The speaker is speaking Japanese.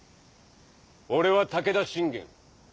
俺は武田信玄。